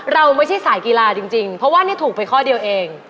เราไม่ใช่สายกีฬาจริงเพราะว่านี่ถูกไปข้อเดียวเอง